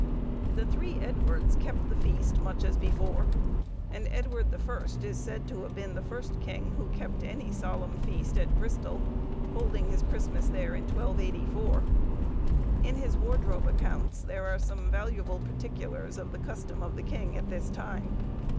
The three Edwards kept the feast much as before, and Edward the First is said to have been the first king who kept any solemn feast at Bristol, holding his Christmas there in 1284. In his wardrobe accounts, there are some valuable particulars of the custom of the king at this time.